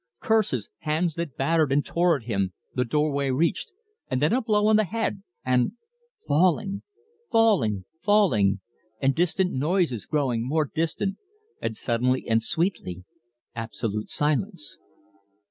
Curses, hands that battered and tore at him, the doorway reached, and then a blow on the head and falling, falling, falling, and distant noises growing more distant, and suddenly and sweetly absolute silence.